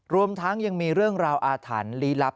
รวมทั้งยังมีเรื่องราวอาถรรพ์ลี้ลับ